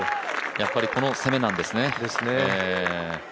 やっぱりこの攻めなんですね。